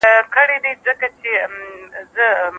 د لویې جرګي غړي کله د خبرو نوبت ترلاسه کوي؟